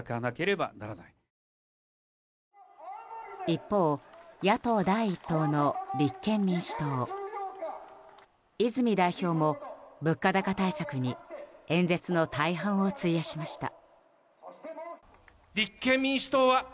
一方、野党第一党の立憲民主党。泉代表も物価高対策に演説の大半を費やしました。